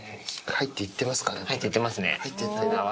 入っていってますね。